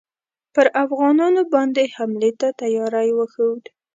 پر افغانانو باندي حملې ته تیاری وښود.